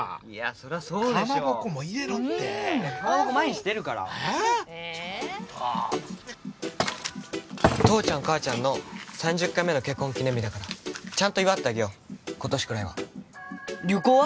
そりゃそうでしょ蒲鉾も入れろって蒲鉾毎日出るからえっ父ちゃん母ちゃんの３０回目の結婚記念日だからちゃんと祝ってあげよう今年ぐらいは旅行は？